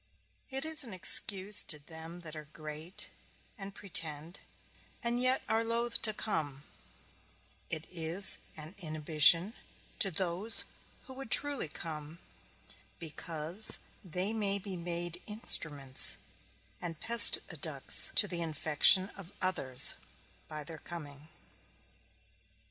It is an excuse to them that are great, and pretend, and yet are loath to come; it is an inhibition to those who would truly come, because they may be made instruments, and pestiducts, to the infection of others, by their coming.